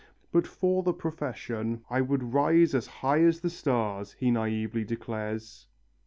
But for the profession, "I would rise as high as the stars," he naively declares.